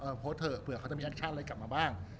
โพสต์ไหมผมบอกโพสต์เถอะเผื่อเขาจะมีแอคชั่นอะไรกลับมาบ้าง